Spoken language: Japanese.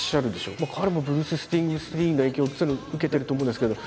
彼もブルース・スプリングスティーンの影響を受けてると思うんですけど。